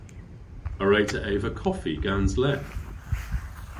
A wre'ta eva koffi gans leth?